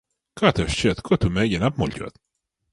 Kā tev šķiet, ko tu mēģini apmuļķot?